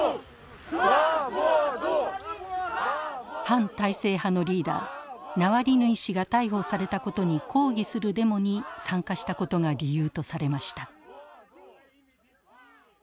反体制派のリーダーナワリヌイ氏が逮捕されたことに抗議するデモに参加したことが理由とされました。